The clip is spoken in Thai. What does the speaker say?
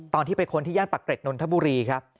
ตอนที่ไปค้นที่ย่านปักเกร็ดนนทบุรีครับ